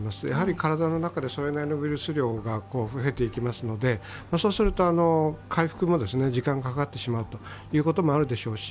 体の中でそれなりのウイルス量が増えていきますので、そうすると回復も時間がかかってしまうということもあるでしょうし